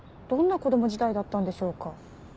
どんな子供時代だったんでしょうか？